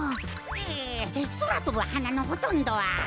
ええそらとぶはなのほとんどは。